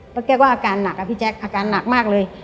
แล้วแกก็อาการหนักอะพี่แจ๊คอาการหนักมากเลย